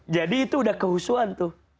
jadi itu udah kehusuan tuh